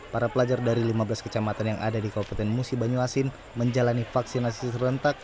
para pelajar dari lima belas kecamatan yang ada di kabupaten musi banyuasin menjalani vaksinasi serentak